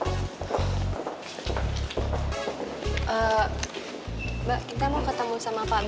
mbak kita mau ketemu sama pak